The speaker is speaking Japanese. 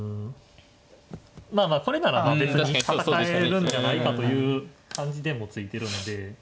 まあまあこれなら戦えるんじゃないかという感じで突いてるんで。